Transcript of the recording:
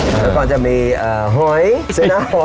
แล้วก็จะมีโฮยเสนาโฮย